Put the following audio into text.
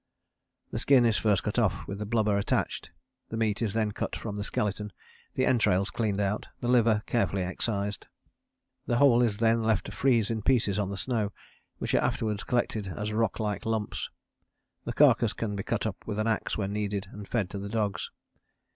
The skin is first cut off with the blubber attached: the meat is then cut from the skeleton, the entrails cleaned out, the liver carefully excised. The whole is then left to freeze in pieces on the snow, which are afterwards collected as rock like lumps. The carcass can be cut up with an axe when needed and fed to the dogs.